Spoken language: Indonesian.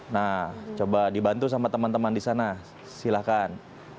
nah coba dibantu sama teman teman disana silahkan